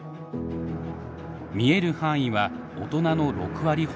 見える範囲は大人の６割ほど。